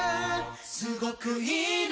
すごくいいね